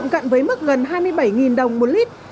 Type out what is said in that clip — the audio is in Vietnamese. gần hai mươi bảy đồng một lít